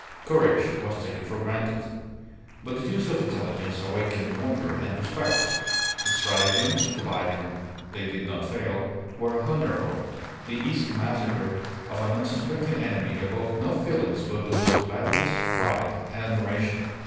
Courage was taken for granted. But the use of intelligence awakened wonder and respect. Stratagems, providing they did not fail, were honourable; the easy massacre of an unsuspecting enemy evoked no feelings but those of gladness, pride, and admiration.